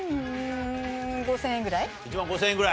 １万５０００円ぐらい。